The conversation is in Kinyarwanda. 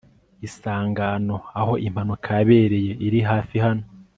isangano aho impanuka yabereye iri hafi hano